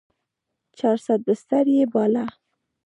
چارصد بستر يې باله.